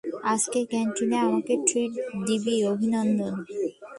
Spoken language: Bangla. আজকে ক্যান্টিনে আমাকে ট্রিট দিবি -অভিনন্দন!